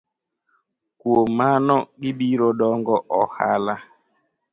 Kuom mano gibiro dongo ohala.